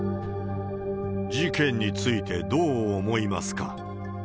事件について、どう思いますか？